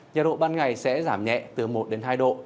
nhiệt độ ban ngày sẽ giảm nhẹ từ một đến hai độ